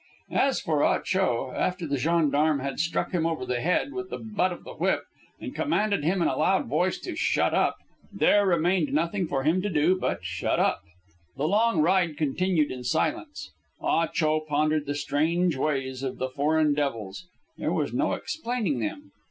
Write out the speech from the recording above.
As for Ah Cho, after the gendarme had struck him over the head with the butt of the whip and commanded him in a loud voice to shut up, there remained nothing for him to do but to shut up. The long ride continued in silence. Ah Cho pondered the strange ways of the foreign devils. There was no explaining them.